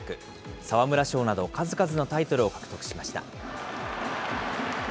沢村賞など、数々のタイトルを獲得しました。